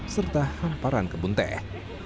serta hamparan kebun teh